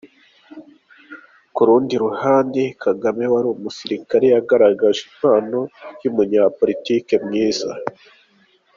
Ku rundi ruhande, Kagame wari umusirikare yagaragaje impano y’umunyapolitiki mwiza.